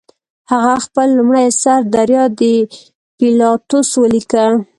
هغه خپل لومړی اثر دریا د پیلاتوس ولیکه.